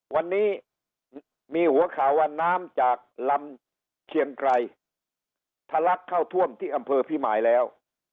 วันนี้มีหัวข่าวว่าน้ำจากลำเชียงไกรทะลักเข้าท่วมที่อำเภอพิมายแล้ว